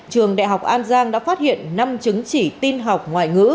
trường đại học an giang đã phát hiện năm chứng chỉ tin học ngoại ngữ